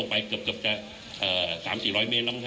คุณผู้ชมไปฟังผู้ว่ารัฐกาลจังหวัดเชียงรายแถลงตอนนี้ค่ะ